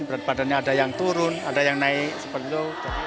berat badannya ada yang turun ada yang naik seperti itu